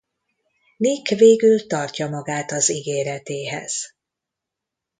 Nick végül tartja magát az ígéretéhez.